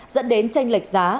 dẫn đến tranh lệch giá